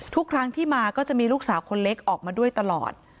ทุกครั้งที่มาก็จะมีลูกสาวคนเล็กออกมาด้วยตลอด